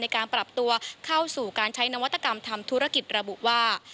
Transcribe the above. การปรับตัวเข้าสู่การใช้นวัตกรรมทำธุรกิจระบุว่า